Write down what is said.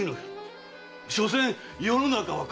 しょせん世の中は金よ。